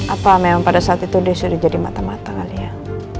apa memang pada saat itu dia sudah jadi mata mata kalian